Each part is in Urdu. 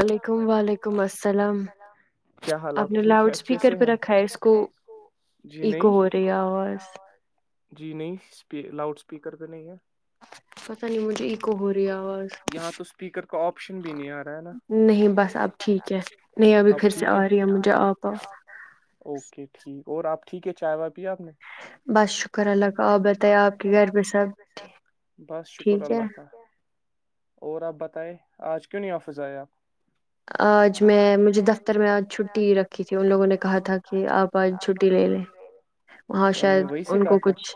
اللیکم وعلیکم السلام آپ نے لاؤڈ اسپیکر پہ رکھا ہے اس کو ایک کو ہو رہی آواز اس لاؤڈ اسپیکر بھی نہیں ہے یہاں تو اسپیکر کا آپشن بھی نہیں آیاا نہیں بس اب ٹھیک ہے نہیں ابھی پھر سے آ رہی ہے مجھے آپ آؤ ٹھیک ہے چائےا بس شکرلہ کا آپت آپھر بس شکر اللہ کا اور آپ بتائے آج کیوں نہیں آف خضایا آج میں مجھے دفتر میں آج چھٹی رکھی تھی ان لوگوں نے کہا تھا کہ آپ آج چھٹی لے لیں وہاں شاید ان کو کچھ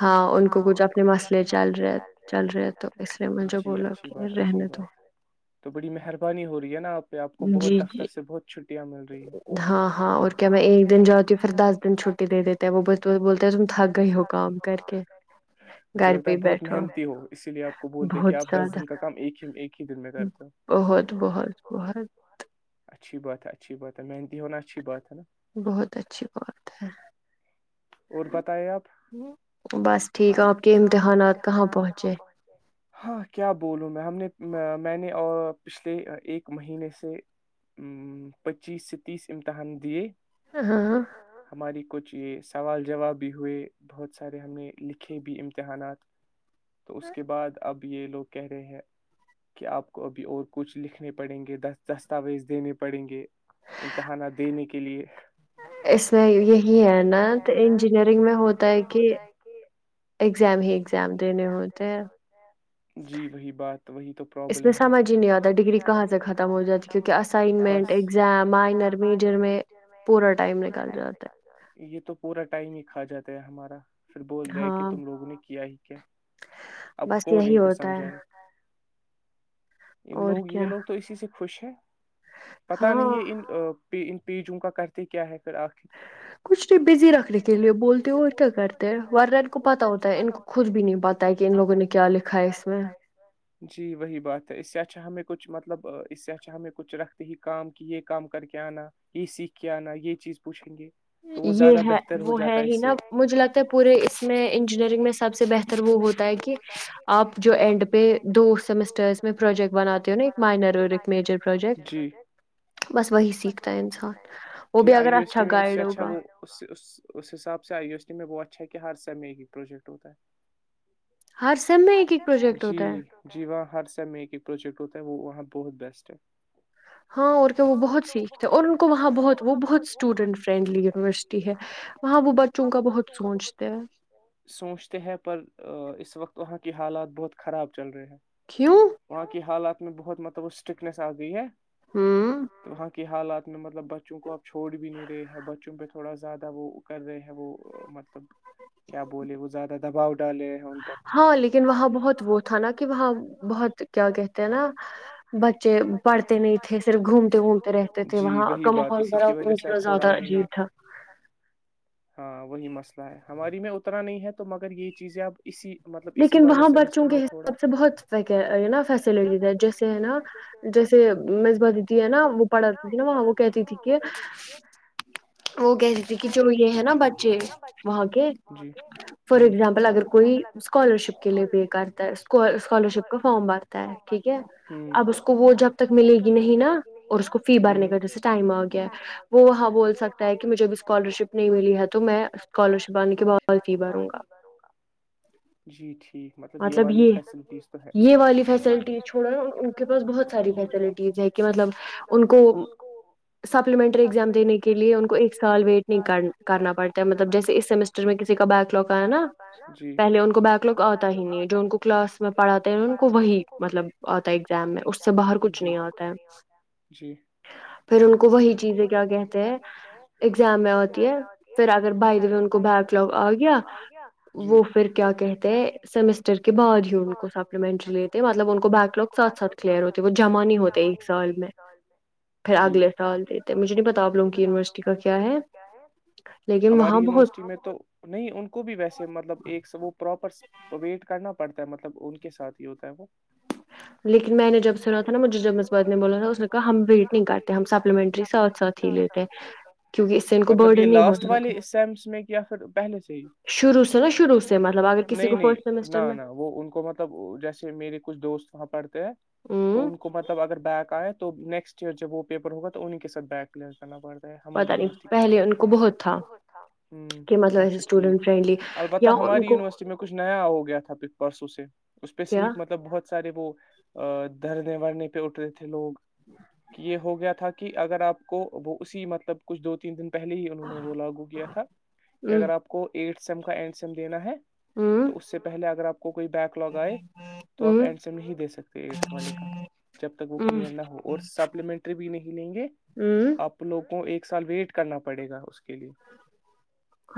ہاں ان کو کچھ اپنے مسئلے چل رہے چل رہے تو اس لیے مجھے بولا کہ رہنے دو بڑی مہربانی ہو رہی ہے ن آپ آپ کو بہت دفتر سے بہت چھٹیاں مل رہی ہاں د د چ دی مجھے لگتا ہے بہت محنتی ہو اسی لیے آپ کو بولتے کہ آپ دس دن کا کام ایک ہی دن میں کر بہت بہت [unintelligible] اچھی بات ہے اچھی بات ہے میں بہت اچھی بات ہے اور بتے آپ بس ٹیک آپ کے امتحانات کہاں پہنچے ہاں کیا بولوں میں ہم نے میں نے پچھلے ایک مہینے سے پچیس سے تیس امتحان دیے ہاں کچ چیز سوال جواب بھی ہوئے بہت سارے ہم نے لکھے بھی امتحانات تو اس کے بعد اب یہ لوگ کہہ رہے ہیں کہ آپ کو ابھی اور کچھ لکھنے پڑیں گے دستاویز دینے پڑیں گے امتحانات دینے کے لیے اس میں یہی ہے نا نا انجینرنگ میں ہوتا ہے کہگ ہی دینے ہوتے ہیں جی وہی بات وہ تو پرلم ہے اس میں سمجھ ہی نہیں آتا ڈگری کہاں سے ختم ہو جاتی کیکنمنٹ ایزام مائر میڈر میں پورا ٹائم نکل جاتا تو پورا ٹائم ہی کھا جاتے ہے ہمارا پھر بول دیا کہ تم لوگوں نے کیا ہی کیا اب کون ان کو سمجھائے ان لوگ یہ لوگ تو اسی سے خوش پتہ نہیں ہے ان پ ان پیجوں کا کرتے کیا ہے پھر آخر کچھ نہیں بزی رکھنے کے لیے بولتے اور کیا کرتے ہیں ورہ ان کو پتا ہوتا ہے ان کو خود بھی نہیں پاتہ ہے کہ ان لوگوں نے کیا لکھا ہے اس میں جی وہی بات ہے اس سے اچھا ہمیں کچھ مطلب اس سے اچھا ہمیں کچھ رکھتے ہی کام کہ یہ کام کر کے آنا یہ سیکھ کے آنا یہ چیز پوچھیں گے یہ ہے وہ ہے ہی نا مجھے لگتا ہے پورے اس میں انجینئرنگ میں سب سے بہتر وہ ہوتا ہے کہ آپ جو اینڈ پہ دو سیمسٹرس میں پروجیکٹ بناتے ہو نا ایک مائنر اور ایک میجر پروجیکٹ بس وہی سیکھتا ہے انسان وہ بھی اگر اچھا گائڈ ہوگا وہ اس حساب سےئی نے وہ اچھا [inaudible] کہ ہر سمے ہی پروجیکٹ ہوتا ہے [unintelligible] ہر سم میں ایک ایک پروجیکٹ ہوتا ہے [unintelligible] ہر سمے ایک ایک پروجیکٹ ہوتا ہے وہ وہاں بہت بیسٹ ہے [inaudible] ہاں اور کیا وہ بہت سیکھتےے اور ان کو وہاں بہت وہ بہت اسٹوڈینٹ فرینڈلی [unintelligible] سوچتے ہیں پر اس وقت [unintelligible] وہا کی حالات بحہت خراب چلحے حا [unintelligible] وہاں کی حالات [inaudible] میں بہت مطلب وہ اسٹکنیس آ گئی ہے [inaudible] ہاں [inaudible] حالات میں مطلب بچوں کو اب چھوڑ بھی نہیں رہے ہیں ب [inaudible] چم پہ تھوڑا زیادہ وہ کر رہے ہیں وہ مطلب کیا بولے وہ زیادہ دباؤ [inaudible] ہاں لیکن وہاں بہت وہ تھا نا کہ وہاں بہت کیا کہتے ہیں نا بچے پڑھتے نہیں تھے صرف گھومتے وھومتے رہتے تھے وہاں کا ماحول برا تھا زیادہ [unintelligible] ہاں [inaudible] وہ مس [inaudible] ہماری میں اتنا نہیں ہے [inaudible] تو مگر یہ چیز آپ اسی [inaudible] لیکن وہاں بچوں کے حساب سے بہت نا فیسلٹیز ہے جیسے ہے نا جیسے مثبتی تھی ہے نا وہ پڑھ نا وہاں وہ کہتی تھی کہ [inaudible] وہ کہتی تھے کہ جو یہ ہے نا بچے وہاں کے فار ایگزامپل اگر کوئی [inaudible] اسکالر شپ کے لیے پے کرتا ہے اسکالر شپ کا فارم بھرتا ہے ٹھیک ہے اب اس کو وہ جب تک ملے گی نہیں نا اور اس کو فی بھرنے کا جسے ٹائم آ گیا ہے وہ وہاں بول سکتا [unintelligible] کہ مجھے ابھی اسکالر شپ نہیں ملی ہے تو میں اسکالر شپ آنے کے بعدغفی بھروں گا [inaudible] جی ٹھیک مطلب یہ والی فز یہ [inaudible] کے لیے ان کو ایک سال ویٹ نہیں کرنا پڑتا مطلب جیسے اس سمسٹر میں کسی کا بیک لگ آیا نا [inaudible] پہلے ان کو بیک لگ آتا ہی نہیں جو ان کو کلاس میں پڑھاتے ہیں ان کو وہی مطلب آتا ہے ایگزام میں اس سے باہر کچھ نہیں آتا ہے پھر ان کو وہی چیزیں کیا کہتے ہیں [unintelligible] اگزام میں ہوتی ہے پھر اگر بھائی دی ان کو بیک لگ آ گیا وہ [unintelligible] پھر کیا کہتے ہیں سمسٹر کے بعد ہی ان کو سپلیمنٹری لیتے مطلب ان کو بیک لگ ساتھ ساتھ کلیئر ہوتے وہ جمع نہیں ہوتے ایک سال میں پھر اگلے سال دیتے مجھے نہیں [inaudible] جھ کیا ہے ہماری یونیورسٹی میں تو نہیں ان کو بھی ویسے مطلب ایک [inaudible] وہ پراپر ویٹ کرنا پڑتا ہے مطلب ان کے ساتھ ہی ہوتا ہے وہ [inaudible] لیکن میں نے جب سنا تھا نا مجھے جب مثبت نے بولا تھا اس نے کہا ہم ویٹ نہیں کرتے ہم سپلیمنٹری سرت سر [unintelligible] مطلب یہ لاسٹ والے اس سمس میں یا پھر پہلے سے ہی سےوع نہیں نہیں نہ نہ وہ ان کو مطلب جیسے میرے کچھ دوست ساں پڑ ہیں تو ان کو مطلب اگر بیک آئے تو نیکسٹ ایئر جب وہ پیپر ہوا تو انہ کےاتھ بیک [inaudible] نا پڑتا ہے ط اچھا ٹھیک البتہ ہماری یونیورسٹی میں کچھ نیا ہو گیا تھا پ پرسوں سے اس پہ صحی مطلب بہت سارے وہ درنے ورنے پہ اٹھ رہ تھ ے لوگ کہ یہ ہو گیا تھا کہ اگر آپ کو وہ اسی مطلب کچھ دو تین دن پہے ہی انہوں نے وہ لاگو کیا تھا کہ اگر آپ کو ایٹس سیم کا اینڈ سیم دینا ہے تو اس سے پہلے اگر آپ کو کوئی بیک لگ آئے تو آپ اینڈ س میں نہیں دے سکتے ایٹس والے کا جب تک وہ کلیئر نہ ہو اور سپلیمنٹری بھی نہیں لیں گے اپپ لوگ ایک سال ویٹ کرنا پڑے گا اس کے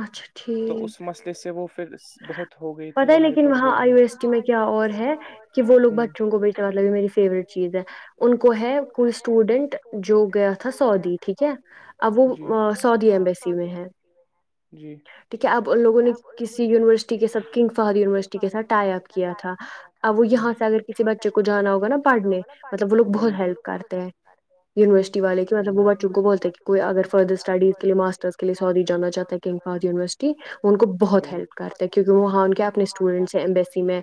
اچھا ٹھیک پت ہے لیکن وہاں آئیو ایس ٹی میں کیا اور ہے کہ وہ لوگ بچوں کو بھی مطلب یہ میری فیوریٹ چیز ہے ان کو ہے کوئی اسٹوڈنٹ جو گیا تھا سعودی ٹھیک ہے اب وہ سعودی ایمبیسی میں ہے ٹھیک ہے اب ان لوگوں نے کسی یونیورسٹی کے ساتھ کنگ فہد یونیورسٹی کے ساتھ ٹائی اپ کیا تھا اب وہ یہاں سے اگر کسی بچے کو جانا ہوگا نا پڑھنے مطلب وہ لوگ بہت ہیلپ کرتے ہیں یونیورسٹی والے کے وہ بچوں کو بولتے ہیں کہ کوئی اگر فردر اسٹڈیز کے لیے ماسٹرز کے لیے سعودی جانا چاہتا کہیں یونیورسٹی وہ ان کو بہت ہیلپ کرتے کیونکہ وہاں ان کے اپنے اسٹوڈینٹس ہیں امبیسی میں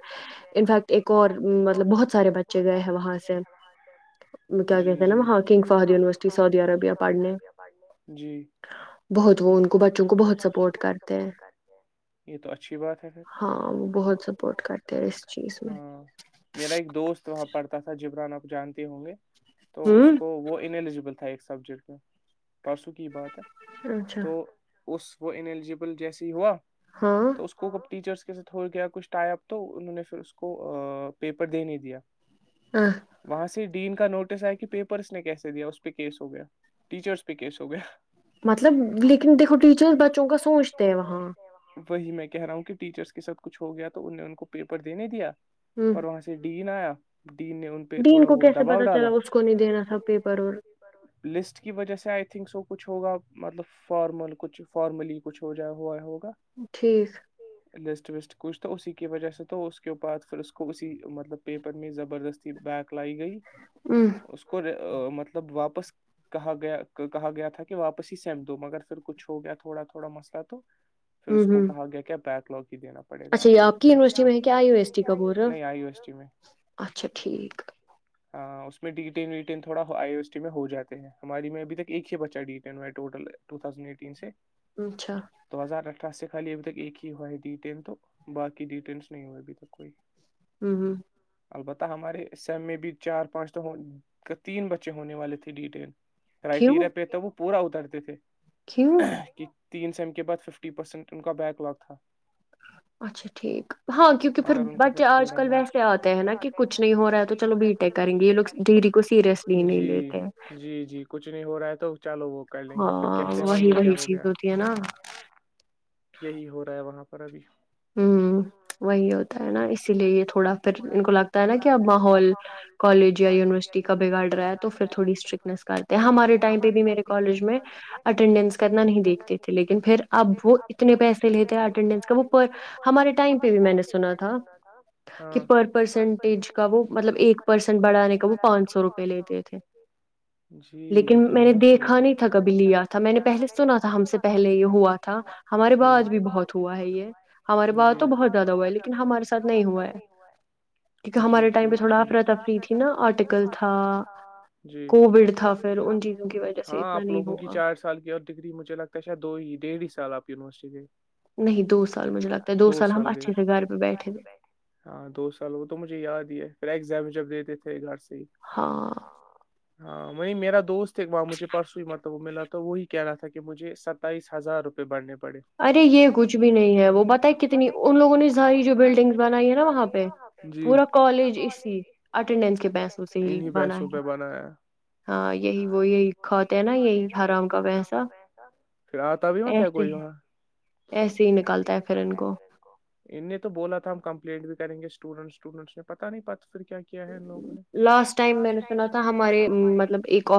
انفیکٹ ایک اور مطلب بہت سارے بچے گئے ہیں وہاں سے کیا کہتے ہیں نا وہاں کنگ فار یونیورسٹی سعودی عربیہ پڑھنے بہت وہ ان کو بچوں کو بہت سب سپورٹ کرتے ہیں ہاں وہ بہت سپورٹ کرتے ہیں اس چیز میں جانتے ہوں گے تو اس کو وہ ان ایلیجبل تھا ایک سبجیکٹ میں پرسوں کی ہی بات ہے اچھا اس وہ ان ایلیجبل جیسے ہی ہوا تو اس کو کب ٹیچرس ہو گیا کچھ ٹائی اپ تو انہوں نے پھر اس کو پیپر دینے دیا وہاں سے ڈین کا نوٹس آیا کہ پیپر اس نے کیسے دیا اس پہ کیس ہو گیا ٹیچرس پہ کیس ہو گیا مطلب لیکن دیکھو ٹیچرس بچوں کا سوچتے ہیں وہاں وہی میں کہہ رہا ہوں کہ ٹیچرس کے ساتھ کچھ ہو گیا تو ان نے ان کو پیپر دینے دیا پر وہاں سے ڈین ڈین آیا ڈین کو کیسے پتا چلا اس کو نہیں دینا تھا پیپر اور لسٹ کی وجہ سے آئی تھنک سو کچھ ہوگا مطلب فارمل کچھ فارملی کچھ ہو جائے ہوا ہو ٹھیک لسٹ وسٹ کچھ تو اسی کی وجہ سے تو اس کے بعد پھر اس کو اسی مطلب پیپر میں زبردستی بیک لائی گئی اس کو مطلب مطلب واپس کہا گیا کہا گیا تھا کہ واپس ہی سیم دو مگر پھر کچھ ہو گیا تھوڑا تھوڑا مسئلہ تو پھر اس کو کہا گیا کہ آپ بیک دینا پڑے گا آپ لوگوں کو نیکسٹ سیم اچھا یہ آپ کی یونیورسٹی میں ہے کہ آئی یو ایس ٹی نہیں آئی یو ایس ٹی میں اچھا ٹھیک ہاں اس میں ڈیٹین ویٹین تھوڑا میں ہو جاتے ہیں ہماری میں ابھی تک ایک ہی بچہ ڈیٹین ہوا ہے ٹو تھاوزنٹ ایٹین سے اچھا سے خالی ابھی تک ایک ہی ہوا ہے ڈیٹین تو باقی ڈیینٹس نہیں ہوے ابھی تک کوئ ہمم ہمم البتہ ہمارے سیم میں بھی چار پانچ تو ہوں تین بچے ہونے والے تھے ڈیٹیل کرائٹییریا پہتا وہ پورا اترتے تھے کہ تین سیم کے بعد ففٹی پرسینٹ ان کا بیک لگ تھا اچھا ٹھیک ہاں کیونکہ پھر بچے آج کل ویسے آتے ہیں نا کہ کچھ نہیں ہو رہا ہے تو چلو بی ٹیک کریں گے یہ لوگ ڈری کو سیریسلی جی جی جی کچھ نہیں ہو رہا ہے تو چلو وہ کر لیں گے پھر کہتے ہیں وہاں یہ کیا ہو گیا یہی ہو رہا ہے وہاں پہ پرربی ہ وہی ہوتا ہے نا اسی لیے یہ تھوڑا پھر ان کو لگتا ہے نا کہ اب ماحول کالج یا یونیورسٹی کا بگار رہا تو تھوڑیٹ ہمارے ٹم پہ بھی مے کالج میں اینڈین کرنا نہیں دیکھتے تھے لیکن پھر اب وہ اتنے پیسے لیتے اینڈس کا وہ ہمارے ٹائم پہ بھی میں نے سنا تھا کہ پر پرسنٹیج کا وہ مطلب ایک پرسنٹ بڑھانے کا وہ پانچ سو پانچ سو روپے جی یہ تو میں نے دیکھا نہیں تھا کبھی لیا تھا میں نے پہلے سنا تھا ہم سے پہلے یہ ہوا تھا ہمارے باز بھی بہت ہوا ہے ہمارے بات تو بہت زیادہ ہوا ہے لیکن ہمارے ساتھ نہیں ہوا ہے کیونکہ ہمارے ٹائم پہ تھوڑا افر تفری تھی نا آرٹیکل تھا جی کوڈ تھا ہاں آپ لوگوں کی چار سال کی اور ڈگری مجھے لگتا ہے شید دو ہی ڈیڑھ ہی سال آپ یونیورسٹی دو سال گئےٹھ ہاں دو سال وہ تو مجھے یاد ہی پھر ایگزام جبدیت تھے گھر سے ہاں ہاں وہ میرا دوست ہے وہاں مجھے پرسوں ہی مطلب ملا تھا وہی کہہ رہا تھا کہ مجھے ستتاائیس ہزار روپے بڑھنے ارے یہ کچھ بھی نہیں ہے وہ بت کتنی ان لوگوں نے ساری جو بلڈنگ بنائی ہے نا وہاں پہ پورا کالج اسی اٹینڈنس کے محسو سے ل بنا ہے ہاں یہی وہ یہی کھوات ہیں نا یہی حرام کا ویسا ایسے ے ہی نکالتا ہےھر کو ان نے تو بولا تھا ہم کمپلینٹ بھی کریں گے اسٹوڈنٹٹوڈنٹس نے پتا نہیں پھر کیا کیا ہے ان لوگوں نے لاسٹ ٹائم میں نے سنا تھا ہمارے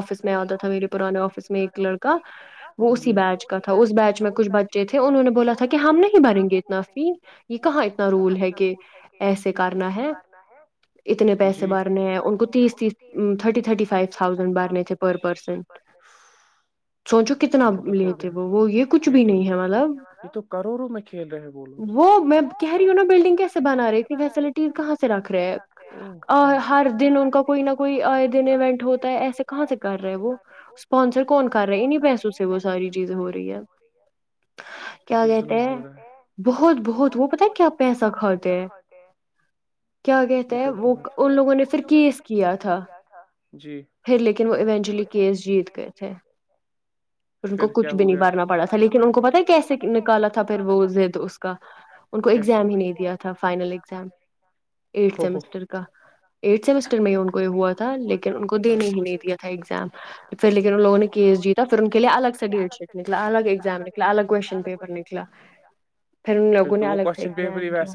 مطلب ایک آفس میں آتا تھا میرے پرانے آفس میں ایک لڑکا وہ اسی بیچ کا تھا اس بیچ میں کچھ بچے تھے انہوں نے بولا تھا کہ ہم نہیں بریں گے انا کہاں اتنا رول ہے کہ ایسے کرنا ہے اتنے پیسے بھرنے ہیں ان کو تیس تیس تھرٹی تھرٹی فو تھازینڈ بارنے تھے پر پرسن سوچو کتنا لی تھے وہ وہ یہ کچھ بھی نہیں ہے مطلب وہ میں کہہ رہی ہوں نا بلڈنگ کیسے بنا رہے فیسلٹیز کہاں سے رکھ رہے ہیں ا ہر دن کوئی نہ کوئی آئے دن ایونٹ ہوتا ہے ایسے کہاں سے کر رہے وہ اسپانسر کون کر رہے انیں پیسوں سے وہ ساری چیز ہو رہی ہے کیا کہتے ہیں بہت بہت وہ پتا ہے کیا پیسہ کھاتے ہیں کیا کہتے ہے وہ ان لوگوں نے پھر کیس کیا تھا پھر لیکن وہ ایینچولی کیس جیت گئے تھے پ ان کو کچھ بھی نہیں بارنا پڑا تھا لیکن ان کو پتا کیسے نکالا تھا پھر وہ زد اس کا ان کو ایگزام ہی نہیں دیا تھا فائنل ایزام ایٹ سٹر کا ایک سیمسٹر میں ہی ان کو یہ ہوا تھا لیکن ان کو دینے ہی نہیں دیا تھا ایگزام پھر لیکن ان لگوں نے کیس جیتا پھر ان کے لیے الگ سے ڈیٹ شیٹ نکلا الگ ایگزام نکلا الگ کویشچن پیپر نکلا پھر ان لوگوں نے الگ سے ایگزام دیا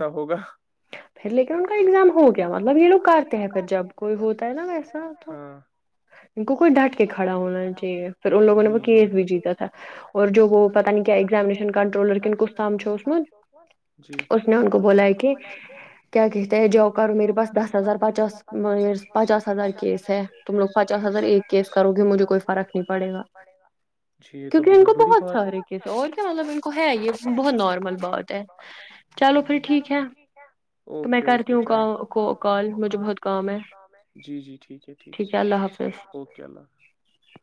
پھر لیکن ان کا ایگزام ہوگیا مطلبو گھر ت ہے پھر کوئی ہوتا ہے نا ویسا تو ان کو کوئی ڈٹ کے کھڑا ہونا چاہیے پھر ان لوگوں نے وہ کیس بھی جیتا تھا اور جو وہ پتا نہیں کیا ایگزامشن کنٹرولر کوام اس میں اس نے ان کو بولا ہے کہ کیا کہتے جاب کرو میرے بس دس ہزار پچاس اچاس لوگ پچاس ہو گے مجھے کو فرق نہیں پڑے گا جی یہ تو بہت بڑی بات ہے اوکے اوکے چلو کال مجھے بہت بہ کام ہے جی جی ٹھیک ہے ٹھیک ہے ال اوکے اللہ حاظ